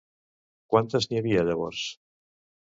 Quantes n'hi havia llavors?